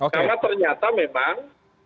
karena ternyata memang